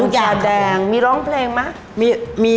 สอนทุกอย่างครับผมมีร้องเพลงมั้ย